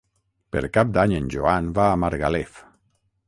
Per Cap d'Any en Joan va a Margalef.